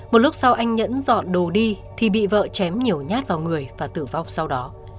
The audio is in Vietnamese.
một lúc sau anh nhẫn dọn đồ đi thì bị vợ chém nhiều nhát vào người và tử vong sau đó